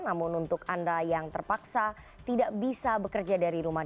namun untuk anda yang terpaksa tidak bisa bekerja dari rumah